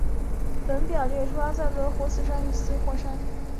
本列表列出阿森松岛的活火山与死火山。